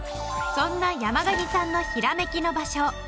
そんな山上さんのヒラメキの場所。